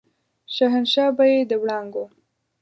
شهنشاه به يې د وړانګو